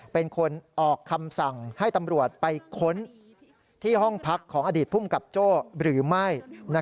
เป็นคนออกคำสั่งให้ตำรวจไปค้นที่ห้องพักของอดีตภูมิกับโจ้หรือไม่